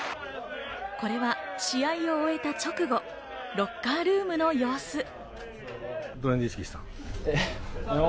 これは試合を終えた直後、ロッカールームの様子。